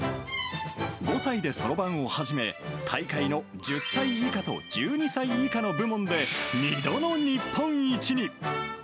５歳でそろばんを始め、大会の１０歳以下と１２歳以下の部門で２度の日本一に。